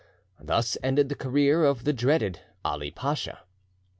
Thus ended the career of the dreaded Ali Pacha.